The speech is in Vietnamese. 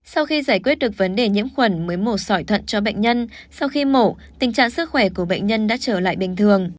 sau khi giải quyết được vấn đề nhiễm khuẩn mới mổ sỏi thận cho bệnh nhân sau khi mổ tình trạng sức khỏe của bệnh nhân đã trở lại bình thường